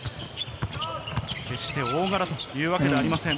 決して大柄というわけではありません。